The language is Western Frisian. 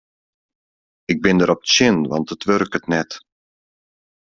Ik bin derop tsjin want it wurket net.